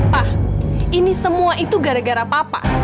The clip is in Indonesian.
pak ini semua itu gara gara papa